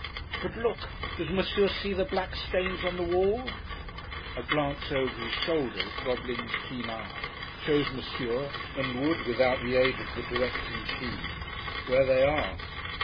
'But look! does Monsieur see the black stains on the wall?' A glance, over his shoulder, at Goblin's keen eye, shows Monsieur—and would without the aid of the directing key—where they are.